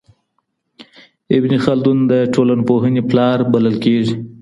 ابن خلدون د ټولنپوهني پلار بلل کیږي.